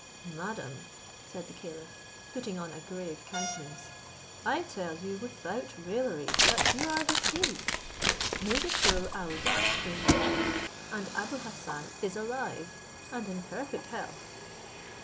"Madam," said the caliph, putting on a grave countenance, "I tell you without raillery that you are deceived; Nouzhatoul aouadat is dead, and Abou Hassan is alive, and in perfect health."